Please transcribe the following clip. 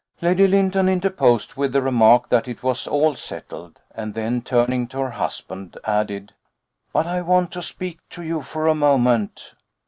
Lady Lynton interposed with the remark that it was all settled; and then, turning to her husband, added: "But I want to speak to you for a moment."